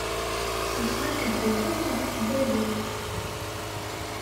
Sserseɣ akebbuḍ-iw ɣef tdabut.